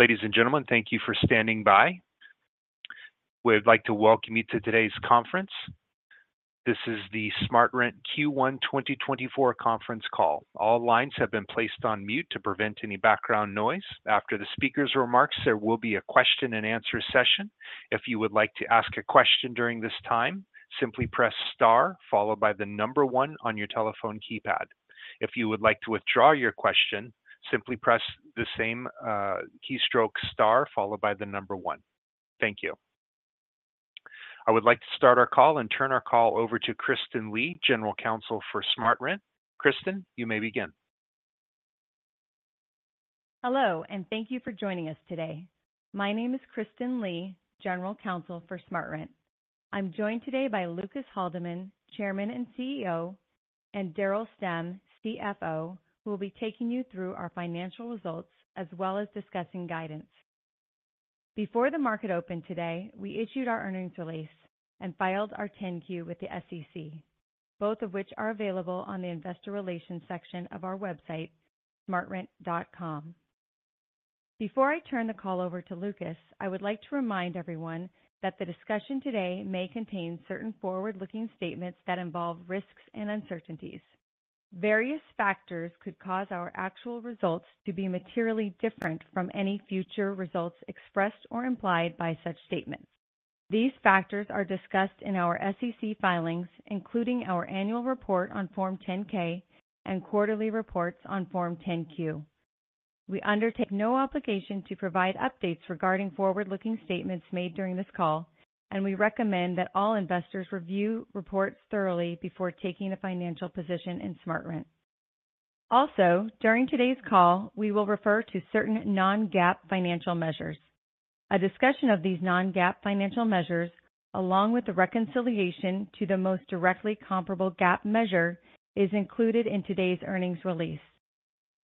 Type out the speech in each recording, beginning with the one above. Ladies and gentlemen, thank you for standing by. We'd like to welcome you to today's conference. This is the SmartRent Q1 2024 conference call. All lines have been placed on mute to prevent any background noise. After the speaker's remarks, there will be a question-and-answer session. If you would like to ask a question during this time, simply press * followed by the number 1 on your telephone keypad. If you would like to withdraw your question, simply press the same keystroke, * followed by the number 1. Thank you. I would like to start our call and turn our call over to Kristen Lee, General Counsel for SmartRent. Kristen, you may begin. Hello, and thank you for joining us today. My name is Kristen Lee, General Counsel for SmartRent. I'm joined today by Lucas Haldeman, Chairman and CEO, and Daryl Stemm, CFO, who will be taking you through our financial results as well as discussing guidance. Before the market opened today, we issued our earnings release and filed our 10-Q with the SEC, both of which are available on the investor relations section of our website, smartrent.com. Before I turn the call over to Lucas, I would like to remind everyone that the discussion today may contain certain forward-looking statements that involve risks and uncertainties. Various factors could cause our actual results to be materially different from any future results expressed or implied by such statements. These factors are discussed in our SEC filings, including our annual report on Form 10-K and quarterly reports on Form 10-Q. We undertake no obligation to provide updates regarding forward-looking statements made during this call, and we recommend that all investors review reports thoroughly before taking a financial position in SmartRent. Also, during today's call, we will refer to certain non-GAAP financial measures. A discussion of these non-GAAP financial measures, along with the reconciliation to the most directly comparable GAAP measure, is included in today's earnings release.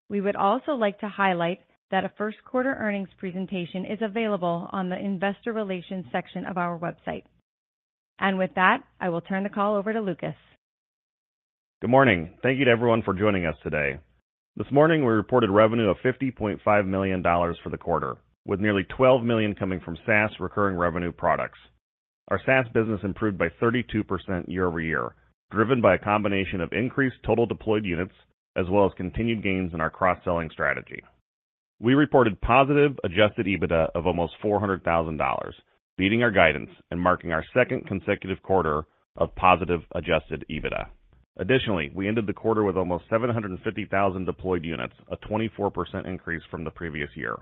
We would also like to highlight that a first-quarter earnings presentation is available on the investor relations section of our website. With that, I will turn the call over to Lucas. Good morning. Thank you to everyone for joining us today. This morning, we reported revenue of $50.5 million for the quarter, with nearly $12 million coming from SaaS recurring revenue products. Our SaaS business improved by 32% year-over-year, driven by a combination of increased total deployed units as well as continued gains in our cross-selling strategy. We reported positive Adjusted EBITDA of almost $400,000, beating our guidance and marking our second consecutive quarter of positive Adjusted EBITDA. Additionally, we ended the quarter with almost 750,000 deployed units, a 24% increase from the previous year.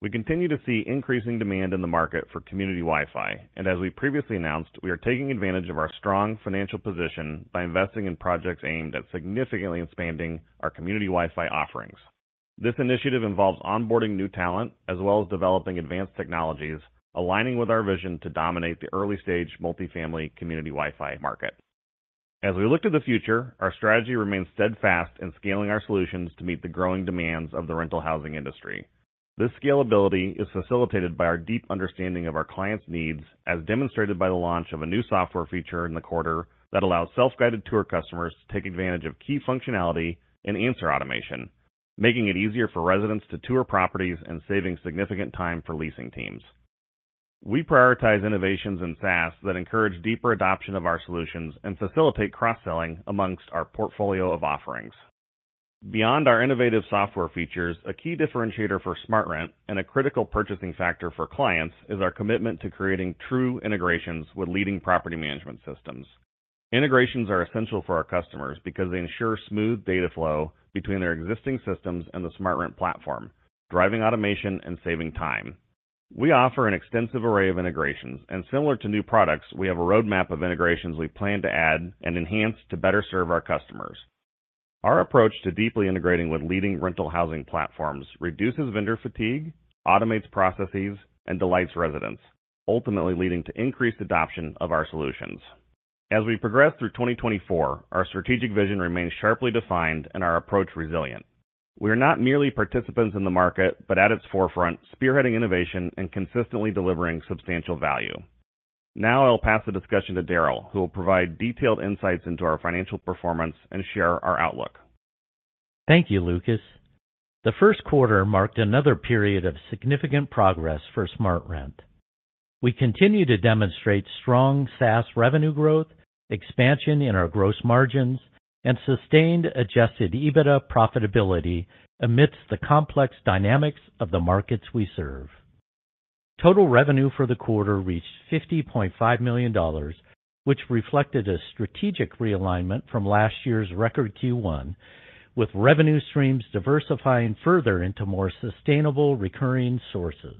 We continue to see increasing demand in the market for Community Wi-Fi, and as we previously announced, we are taking advantage of our strong financial position by investing in projects aimed at significantly expanding our Community Wi-Fi offerings. This initiative involves onboarding new talent as well as developing advanced technologies, aligning with our vision to dominate the early-stage multifamily Community Wi-Fi market. As we look to the future, our strategy remains steadfast in scaling our solutions to meet the growing demands of the rental housing industry. This scalability is facilitated by our deep understanding of our clients' needs, as demonstrated by the launch of a new software feature in the quarter that allows self-guided tour customers to take advantage of key functionality and answer automation, making it easier for residents to tour properties and saving significant time for leasing teams. We prioritize innovations in SaaS that encourage deeper adoption of our solutions and facilitate cross-selling amongst our portfolio of offerings. Beyond our innovative software features, a key differentiator for SmartRent and a critical purchasing factor for clients is our commitment to creating true integrations with leading property management systems. Integrations are essential for our customers because they ensure smooth data flow between their existing systems and the SmartRent platform, driving automation and saving time. We offer an extensive array of integrations, and similar to new products, we have a roadmap of integrations we plan to add and enhance to better serve our customers. Our approach to deeply integrating with leading rental housing platforms reduces vendor fatigue, automates processes, and delights residents, ultimately leading to increased adoption of our solutions. As we progress through 2024, our strategic vision remains sharply defined and our approach resilient. We are not merely participants in the market but, at its forefront, spearheading innovation and consistently delivering substantial value. Now I'll pass the discussion to Daryl, who will provide detailed insights into our financial performance and share our outlook. Thank you, Lucas. The first quarter marked another period of significant progress for SmartRent. We continue to demonstrate strong SaaS revenue growth, expansion in our gross margins, and sustained Adjusted EBITDA profitability amidst the complex dynamics of the markets we serve. Total revenue for the quarter reached $50.5 million, which reflected a strategic realignment from last year's record Q1, with revenue streams diversifying further into more sustainable recurring sources.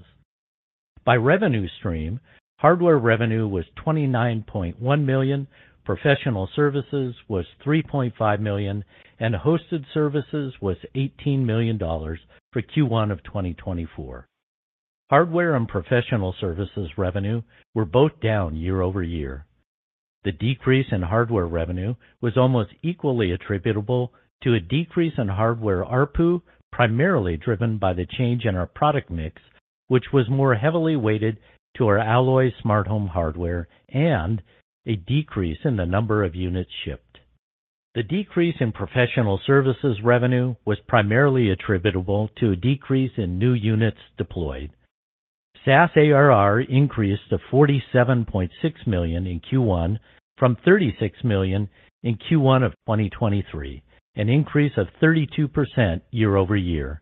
By revenue stream, hardware revenue was $29.1 million, professional services was $3.5 million, and hosted services was $18 million for Q1 of 2024. Hardware and professional services revenue were both down year-over-year. The decrease in hardware revenue was almost equally attributable to a decrease in hardware ARPU, primarily driven by the change in our product mix, which was more heavily weighted to our Alloy SmartHome hardware and a decrease in the number of units shipped. The decrease in professional services revenue was primarily attributable to a decrease in new units deployed. SaaS ARR increased to $47.6 million in Q1 from $36 million in Q1 of 2023, an increase of 32% year-over-year.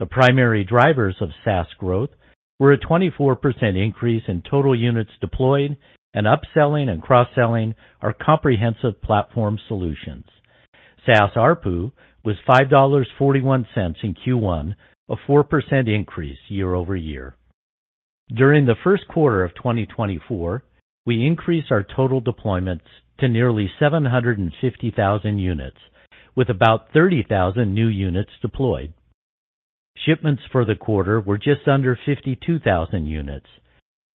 The primary drivers of SaaS growth were a 24% increase in total units deployed and upselling and cross-selling our comprehensive platform solutions. SaaS ARPU was $5.41 in Q1, a 4% increase year-over-year. During the first quarter of 2024, we increased our total deployments to nearly 750,000 units, with about 30,000 new units deployed. Shipments for the quarter were just under 52,000 units.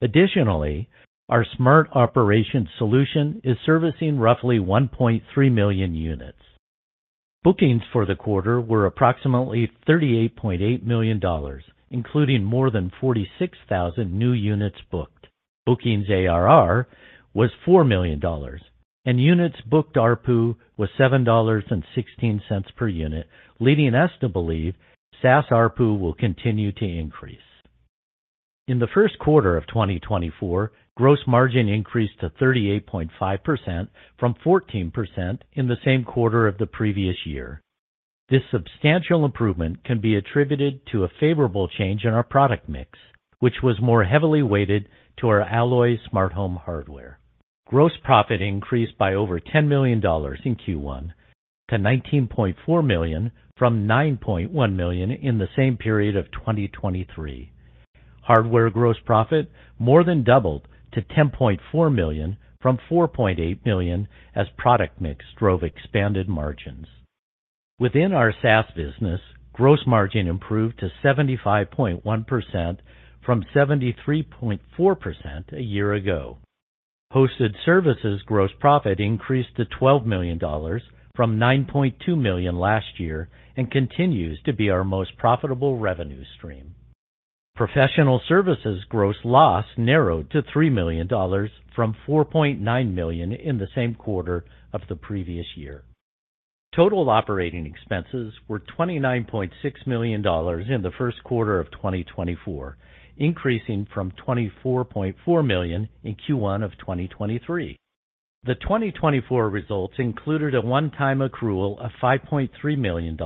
Additionally, our Smart Operations solution is servicing roughly 1.3 million units. Bookings for the quarter were approximately $38.8 million, including more than 46,000 new units booked. Bookings ARR was $4 million, and units booked ARPU was $7.16 per unit, leading us to believe SaaS ARPU will continue to increase. In the first quarter of 2024, gross margin increased to 38.5% from 14% in the same quarter of the previous year. This substantial improvement can be attributed to a favorable change in our product mix, which was more heavily weighted to our Alloy SmartHome hardware. Gross profit increased by over $10 million in Q1 to $19.4 million from $9.1 million in the same period of 2023. Hardware gross profit more than doubled to $10.4 million from $4.8 million as product mix drove expanded margins. Within our SaaS business, gross margin improved to 75.1% from 73.4% a year ago. Hosted services gross profit increased to $12 million from $9.2 million last year and continues to be our most profitable revenue stream. Professional services gross loss narrowed to $3 million from $4.9 million in the same quarter of the previous year. Total operating expenses were $29.6 million in the first quarter of 2024, increasing from $24.4 million in Q1 of 2023. The 2024 results included a one-time accrual of $5.3 million,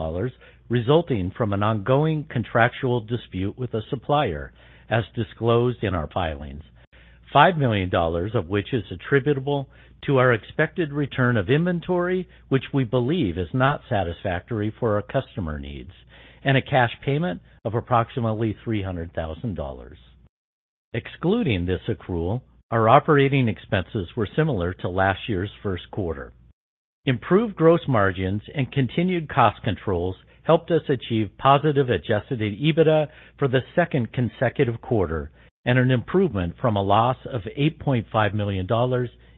resulting from an ongoing contractual dispute with a supplier, as disclosed in our filings, $5 million of which is attributable to our expected return of inventory, which we believe is not satisfactory for our customer needs, and a cash payment of approximately $300,000. Excluding this accrual, our operating expenses were similar to last year's first quarter. Improved gross margins and continued cost controls helped us achieve positive Adjusted EBITDA for the second consecutive quarter and an improvement from a loss of $8.5 million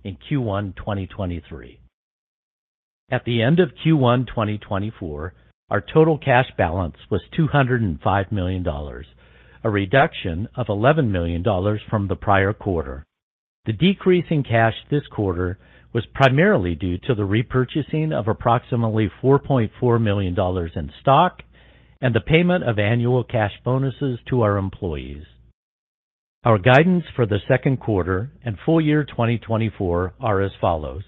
in Q1 2023. At the end of Q1 2024, our total cash balance was $205 million, a reduction of $11 million from the prior quarter. The decrease in cash this quarter was primarily due to the repurchasing of approximately $4.4 million in stock and the payment of annual cash bonuses to our employees. Our guidance for the second quarter and full year 2024 are as follows: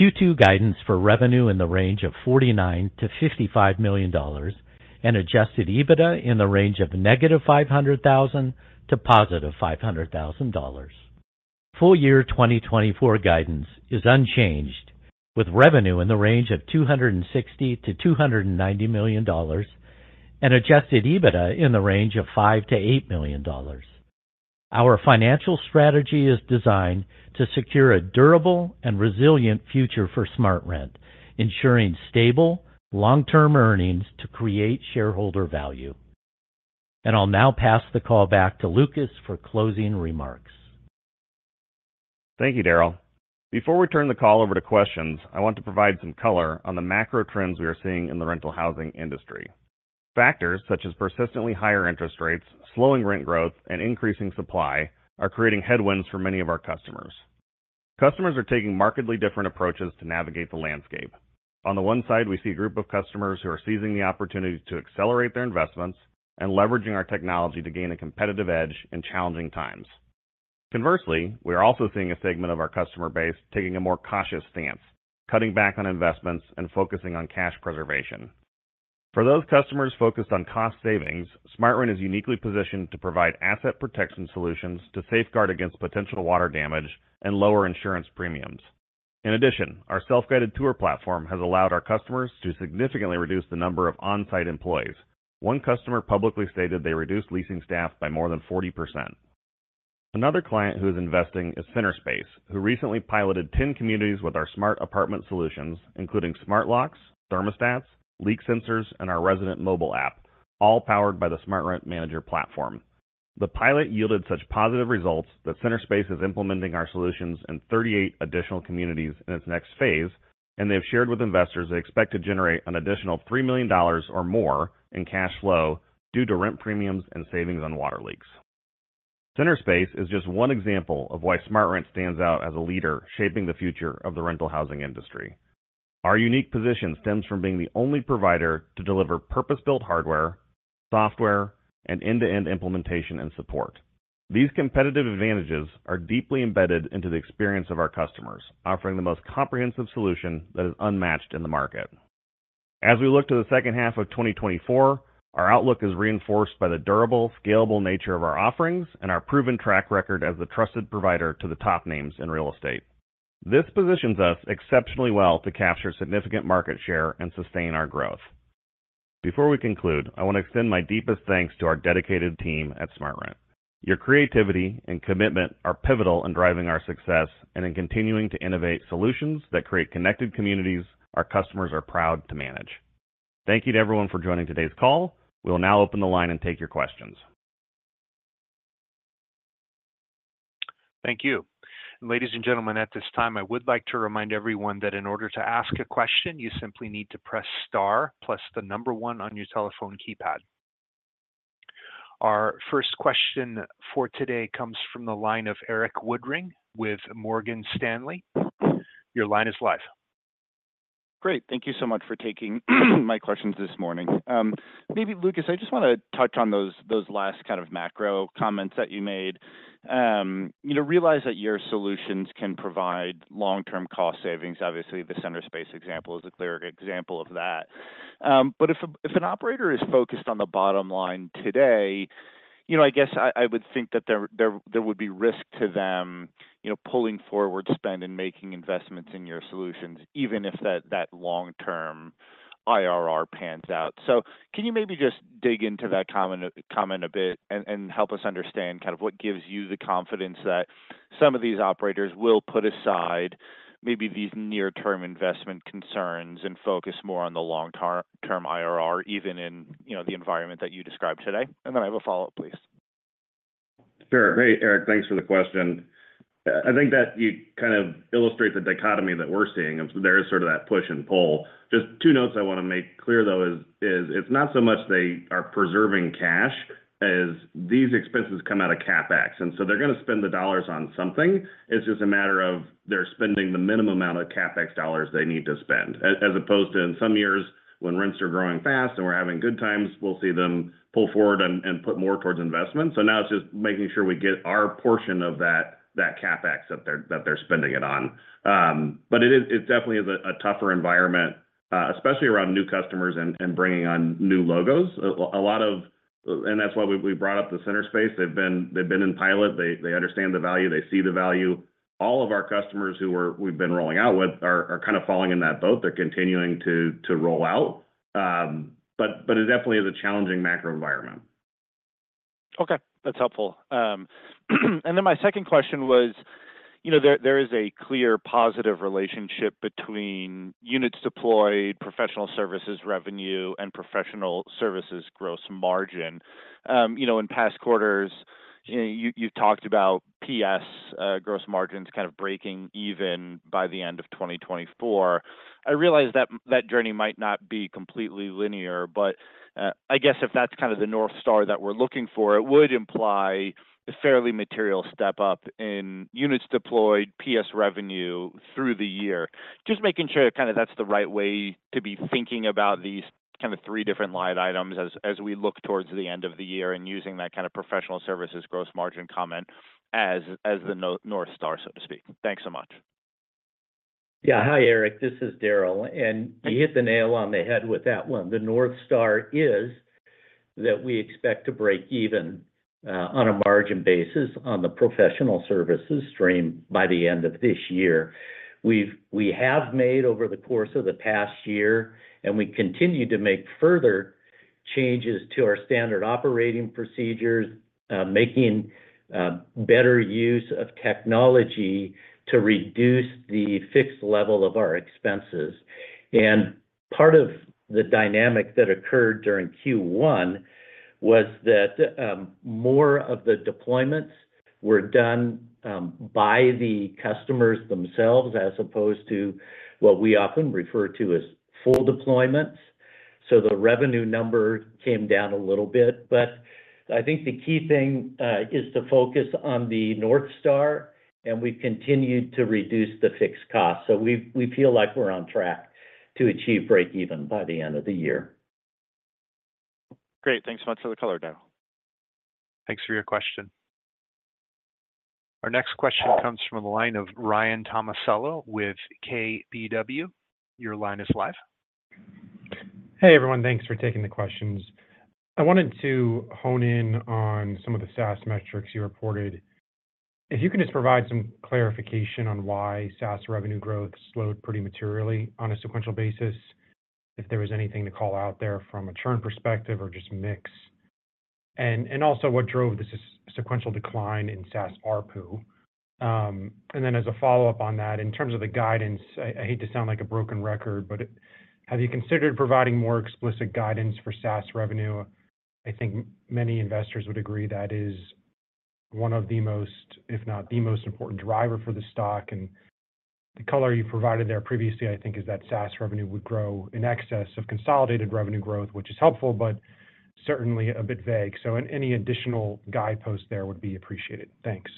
Q2 guidance for revenue in the range of $49-$55 million and adjusted EBITDA in the range of -$500,000 to +$500,000. Full year 2024 guidance is unchanged, with revenue in the range of $260-$290 million and adjusted EBITDA in the range of $5-$8 million. Our financial strategy is designed to secure a durable and resilient future for SmartRent, ensuring stable, long-term earnings to create shareholder value. I'll now pass the call back to Lucas for closing remarks. Thank you, Daryl. Before we turn the call over to questions, I want to provide some color on the macro trends we are seeing in the rental housing industry. Factors such as persistently higher interest rates, slowing rent growth, and increasing supply are creating headwinds for many of our customers. Customers are taking markedly different approaches to navigate the landscape. On the one side, we see a group of customers who are seizing the opportunity to accelerate their investments and leveraging our technology to gain a competitive edge in challenging times. Conversely, we are also seeing a segment of our customer base taking a more cautious stance, cutting back on investments and focusing on cash preservation. For those customers focused on cost savings, SmartRent is uniquely positioned to provide asset protection solutions to safeguard against potential water damage and lower insurance premiums. In addition, our self-guided tour platform has allowed our customers to significantly reduce the number of on-site employees. One customer publicly stated they reduced leasing staff by more than 40%. Another client who is investing is Centerspace, who recently piloted 10 communities with our smart apartment solutions, including smart locks, thermostats, leak sensors, and our resident mobile app, all powered by the SmartRent Manager platform. The pilot yielded such positive results that Centerspace is implementing our solutions in 38 additional communities in its next phase, and they have shared with investors they expect to generate an additional $3 million or more in cash flow due to rent premiums and savings on water leaks. Centerspace is just one example of why SmartRent stands out as a leader shaping the future of the rental housing industry. Our unique position stems from being the only provider to deliver purpose-built hardware, software, and end-to-end implementation and support. These competitive advantages are deeply embedded into the experience of our customers, offering the most comprehensive solution that is unmatched in the market. As we look to the second half of 2024, our outlook is reinforced by the durable, scalable nature of our offerings and our proven track record as the trusted provider to the top names in real estate. This positions us exceptionally well to capture significant market share and sustain our growth. Before we conclude, I want to extend my deepest thanks to our dedicated team at SmartRent. Your creativity and commitment are pivotal in driving our success and in continuing to innovate solutions that create connected communities our customers are proud to manage. Thank you to everyone for joining today's call. We will now open the line and take your questions. Thank you. Ladies and gentlemen, at this time, I would like to remind everyone that in order to ask a question, you simply need to press star plus 1 on your telephone keypad. Our first question for today comes from the line of Erik Woodring with Morgan Stanley. Your line is live. Great. Thank you so much for taking my questions this morning. Maybe, Lucas, I just want to touch on those last kind of macro comments that you made. Realize that your solutions can provide long-term cost savings. Obviously, the Centerspace example is a clear example of that. But if an operator is focused on the bottom line today, I guess I would think that there would be risk to them pulling forward spend and making investments in your solutions, even if that long-term IRR pans out. So can you maybe just dig into that comment a bit and help us understand kind of what gives you the confidence that some of these operators will put aside maybe these near-term investment concerns and focus more on the long-term IRR, even in the environment that you described today? And then I have a follow-up, please. Sure. Great, Erik. Thanks for the question. I think that you kind of illustrate the dichotomy that we're seeing. There is sort of that push and pull. Just two notes I want to make clear, though, is it's not so much they are preserving cash as these expenses come out of CapEx. And so they're going to spend the dollars on something. It's just a matter of they're spending the minimum amount of CapEx dollars they need to spend, as opposed to in some years, when rents are growing fast and we're having good times, we'll see them pull forward and put more towards investments. So now it's just making sure we get our portion of that CapEx that they're spending it on. But it definitely is a tougher environment, especially around new customers and bringing on new logos. And that's why we brought up the Centerspace. They've been in pilot. They understand the value. They see the value. All of our customers who we've been rolling out with are kind of falling in that boat. They're continuing to roll out. But it definitely is a challenging macro environment. Okay. That's helpful. And then my second question was, there is a clear positive relationship between units deployed, professional services revenue, and professional services gross margin. In past quarters, you've talked about PS gross margins kind of breaking even by the end of 2024. I realize that journey might not be completely linear, but I guess if that's kind of the north star that we're looking for, it would imply a fairly material step up in units deployed, PS revenue through the year. Just making sure kind of that's the right way to be thinking about these kind of three different line items as we look towards the end of the year and using that kind of professional services gross margin comment as the north star, so to speak. Thanks so much. Yeah. Hi, Erik. This is Daryl. And you hit the nail on the head with that one. The north star is that we expect to break even on a margin basis on the professional services stream by the end of this year. We have made over the course of the past year, and we continue to make further changes to our standard operating procedures, making better use of technology to reduce the fixed level of our expenses. And part of the dynamic that occurred during Q1 was that more of the deployments were done by the customers themselves, as opposed to what we often refer to as full deployments. So the revenue number came down a little bit. But I think the key thing is to focus on the north star, and we've continued to reduce the fixed costs. We feel like we're on track to achieve break-even by the end of the year. Great. Thanks so much for the color, Daryl. Thanks for your question. Our next question comes from the line of Ryan Tomasello with KBW. Your line is live. Hey, everyone. Thanks for taking the questions. I wanted to hone in on some of the SaaS metrics you reported. If you can just provide some clarification on why SaaS revenue growth slowed pretty materially on a sequential basis, if there was anything to call out there from a churn perspective or just mix, and also what drove this sequential decline in SaaS ARPU? And then as a follow-up on that, in terms of the guidance, I hate to sound like a broken record, but have you considered providing more explicit guidance for SaaS revenue? I think many investors would agree that is one of the most, if not the most, important drivers for the stock. And the color you provided there previously, I think, is that SaaS revenue would grow in excess of consolidated revenue growth, which is helpful but certainly a bit vague. Any additional guidepost there would be appreciated. Thanks.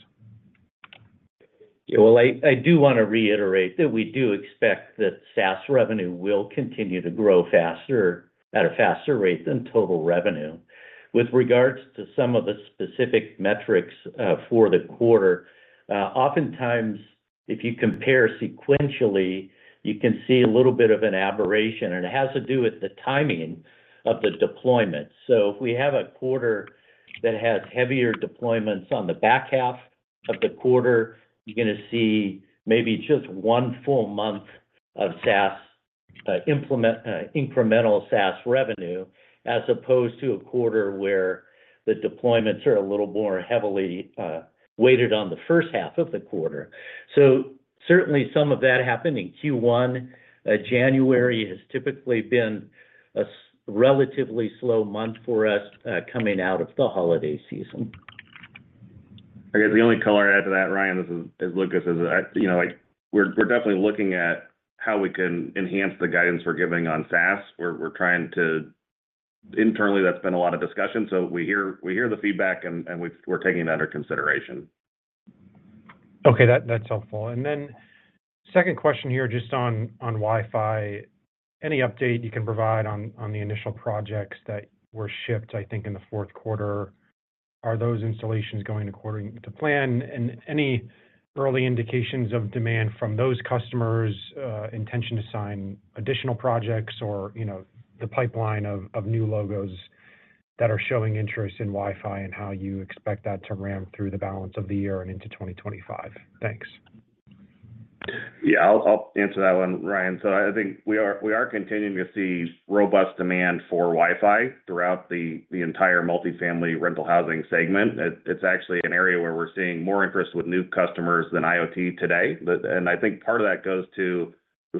Yeah. Well, I do want to reiterate that we do expect that SaaS revenue will continue to grow at a faster rate than total revenue. With regards to some of the specific metrics for the quarter, oftentimes, if you compare sequentially, you can see a little bit of an aberration, and it has to do with the timing of the deployments. So if we have a quarter that has heavier deployments on the back half of the quarter, you're going to see maybe just one full month of incremental SaaS revenue, as opposed to a quarter where the deployments are a little more heavily weighted on the first half of the quarter. So certainly, some of that happened in Q1. January has typically been a relatively slow month for us coming out of the holiday season. I guess the only color to that, Ryan, as Lucas is, we're definitely looking at how we can enhance the guidance we're giving on SaaS. Internally, that's been a lot of discussion. So we hear the feedback, and we're taking that under consideration. Okay. That's helpful. And then second question here, just on Wi-Fi: any update you can provide on the initial projects that were shipped, I think, in the fourth quarter, are those installations going according to plan? And any early indications of demand from those customers, intention to sign additional projects, or the pipeline of new logos that are showing interest in Wi-Fi and how you expect that to ramp through the balance of the year and into 2025? Thanks. Yeah. I'll answer that one, Ryan. So I think we are continuing to see robust demand for Wi-Fi throughout the entire multifamily rental housing segment. It's actually an area where we're seeing more interest with new customers than IoT today. And I think part of that goes to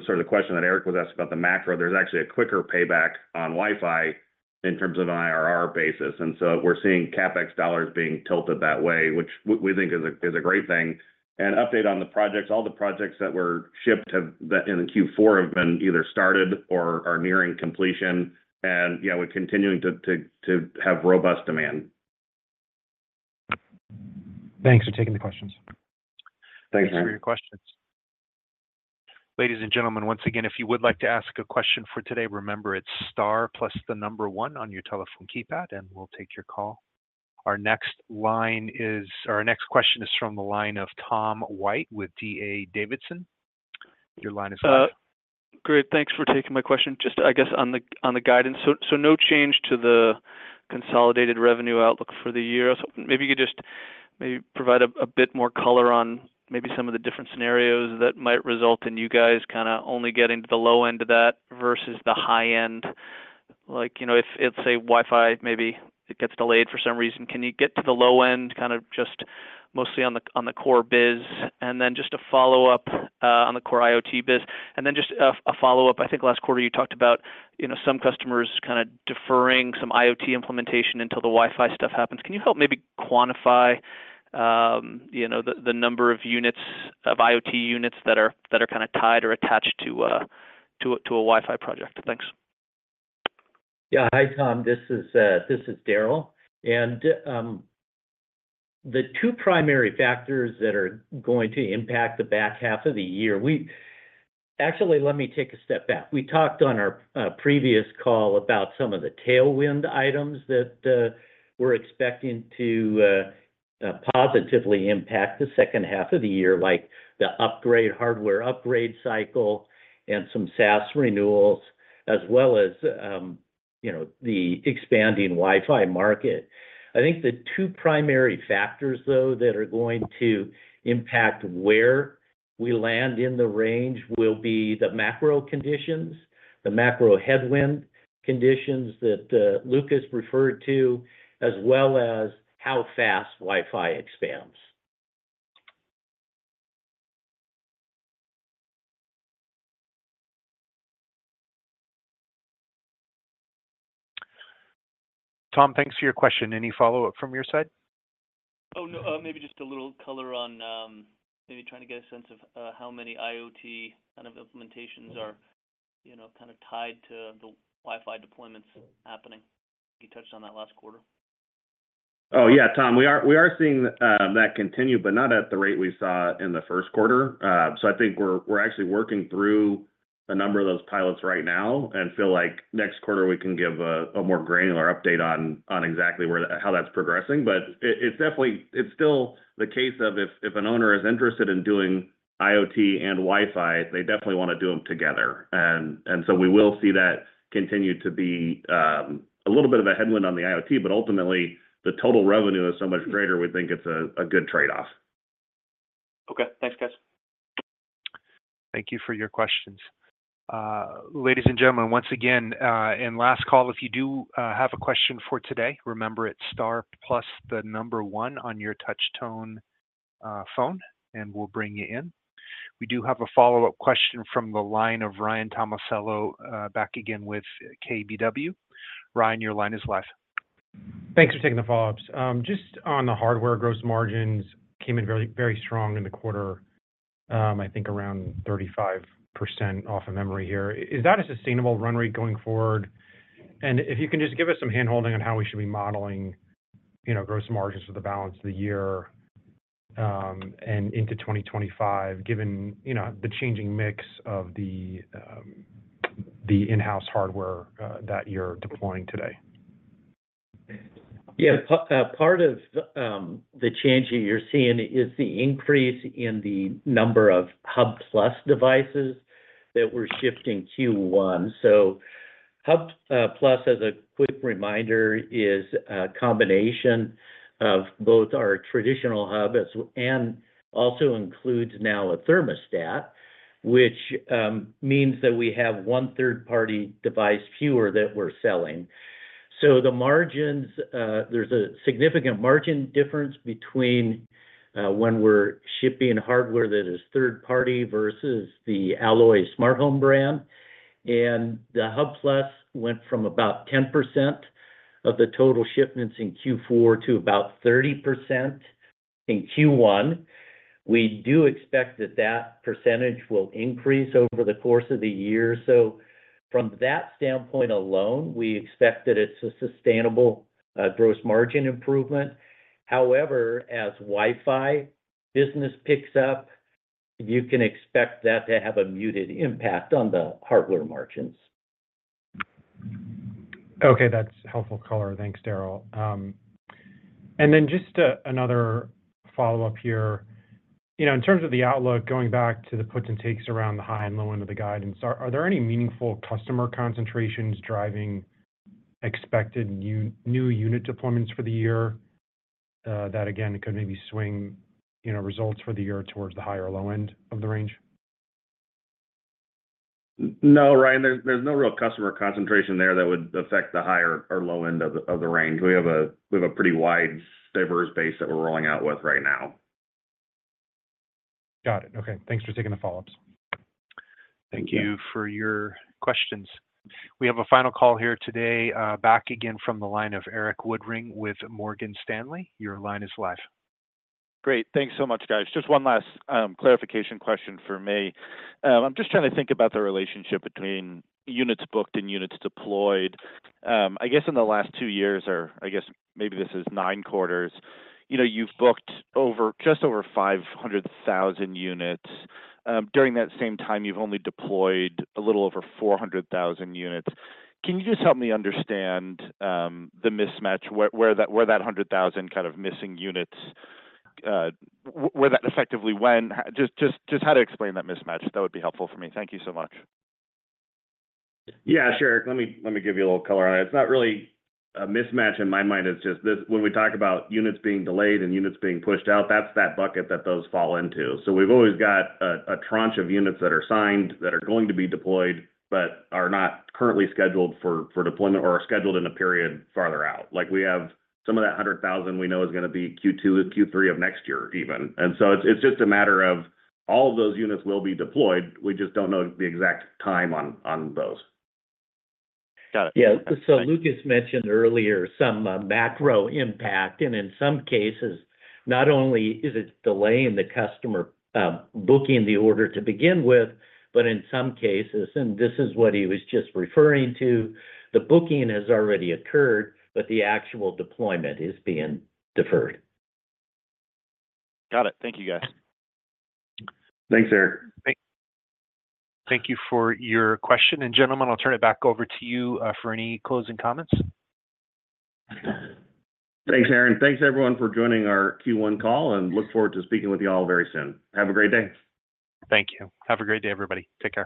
sort of the question that Erik was asking about the macro. There's actually a quicker payback on Wi-Fi in terms of an IRR basis. And so we're seeing CapEx dollars being tilted that way, which we think is a great thing. And update on the projects: all the projects that were shipped in Q4 have been either started or are nearing completion. And we're continuing to have robust demand. Thanks for taking the questions. Thanks, Ryan. Thanks for your questions. Ladies and gentlemen, once again, if you would like to ask a question for today, remember it's star plus the number one on your telephone keypad, and we'll take your call. Our next question is from the line of Tom White with D.A. Davidson. Your line is live. Great. Thanks for taking my question. Just, I guess, on the guidance: so no change to the consolidated revenue outlook for the year. So maybe you could just maybe provide a bit more color on maybe some of the different scenarios that might result in you guys kind of only getting to the low end of that versus the high end. If, say, Wi-Fi maybe gets delayed for some reason, can you get to the low end kind of just mostly on the core biz? And then just a follow-up on the core IoT biz. And then just a follow-up: I think last quarter, you talked about some customers kind of deferring some IoT implementation until the Wi-Fi stuff happens. Can you help maybe quantify the number of IoT units that are kind of tied or attached to a Wi-Fi project? Thanks. Yeah. Hi, Tom. This is Daryl. And the two primary factors that are going to impact the back half of the year actually, let me take a step back. We talked on our previous call about some of the tailwind items that we're expecting to positively impact the second half of the year, like the hardware upgrade cycle and some SaaS renewals, as well as the expanding Wi-Fi market. I think the two primary factors, though, that are going to impact where we land in the range will be the macro conditions, the macro headwind conditions that Lucas referred to, as well as how fast Wi-Fi expands. Tom, thanks for your question. Any follow-up from your side? Oh, no. Maybe just a little color on maybe trying to get a sense of how many IoT kind of implementations are kind of tied to the Wi-Fi deployments happening. You touched on that last quarter. Oh, yeah, Tom. We are seeing that continue, but not at the rate we saw in the first quarter. So I think we're actually working through a number of those pilots right now and feel like next quarter, we can give a more granular update on exactly how that's progressing. But it's still the case of if an owner is interested in doing IoT and Wi-Fi, they definitely want to do them together. And so we will see that continue to be a little bit of a headwind on the IoT. But ultimately, the total revenue is so much greater, we think it's a good trade-off. Okay. Thanks, guys. Thank you for your questions. Ladies and gentlemen, once again, in last call, if you do have a question for today, remember it's star plus the number one on your touchtone phone, and we'll bring you in. We do have a follow-up question from the line of Ryan Tomasello back again with KBW. Ryan, your line is live. Thanks for taking the follow-ups. Just on the hardware, gross margins came in very strong in the quarter, I think, around 35% off of memory here. Is that a sustainable run rate going forward? If you can just give us some handholding on how we should be modeling gross margins for the balance of the year and into 2025, given the changing mix of the in-house hardware that you're deploying today. Yeah. Part of the change that you're seeing is the increase in the number of Hub+ devices that we're shipping in Q1. So Hub+, as a quick reminder, is a combination of both our traditional hubs and also includes now a thermostat, which means that we have one third-party device fewer that we're selling. So there's a significant margin difference between when we're shipping hardware that is third-party versus the Alloy SmartHome brand. And the Hub+ went from about 10% of the total shipments in Q4 to about 30% in Q1. We do expect that that percentage will increase over the course of the year. So from that standpoint alone, we expect that it's a sustainable gross margin improvement. However, as Wi-Fi business picks up, you can expect that to have a muted impact on the hardware margins. Okay. That's helpful color. Thanks, Daryl. And then just another follow-up here. In terms of the outlook, going back to the puts and takes around the high and low end of the guidance, are there any meaningful customer concentrations driving expected new unit deployments for the year that, again, could maybe swing results for the year towards the high or low end of the range? No, Ryan. There's no real customer concentration there that would affect the high or low end of the range. We have a pretty wide diverse base that we're rolling out with right now. Got it. Okay. Thanks for taking the follow-ups. Thank you for your questions. We have a final call here today, back again from the line of Erik Woodring with Morgan Stanley. Your line is live. Great. Thanks so much, guys. Just one last clarification question for me. I'm just trying to think about the relationship between units booked and units deployed. I guess in the last two years, or I guess maybe this is 9 quarters, you've booked just over 500,000 units. During that same time, you've only deployed a little over 400,000 units. Can you just help me understand the mismatch, where that 100,000 kind of missing units where that effectively went? Just how to explain that mismatch, that would be helpful for me. Thank you so much. Yeah. Sure, Erik. Let me give you a little color on it. It's not really a mismatch. In my mind, it's just when we talk about units being delayed and units being pushed out, that's that bucket that those fall into. So we've always got a tranche of units that are signed that are going to be deployed but are not currently scheduled for deployment or are scheduled in a period farther out. We have some of that 100,000 we know is going to be Q2, Q3 of next year even. And so it's just a matter of all of those units will be deployed. We just don't know the exact time on those. Got it. Yeah. So Lucas mentioned earlier some macro impact. And in some cases, not only is it delaying the customer booking the order to begin with, but in some cases - and this is what he was just referring to - the booking has already occurred, but the actual deployment is being deferred. Got it. Thank you, guys. Thanks, Erik. Thank you for your question. Gentlemen, I'll turn it back over to you for any closing comments. Thanks, Erik. Thanks, everyone, for joining our Q1 call, and look forward to speaking with you all very soon. Have a great day. Thank you. Have a great day, everybody. Take care.